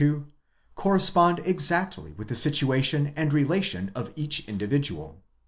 correspond exactly with the situation and relation of each individual.!